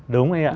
đúng rồi anh ạ